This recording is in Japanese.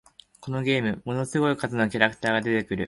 このゲーム、ものすごい数のキャラクターが出てくる